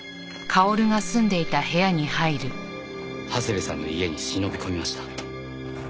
長谷部さんの家に忍び込みました。